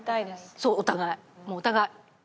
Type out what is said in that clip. そうお互いもうお互い。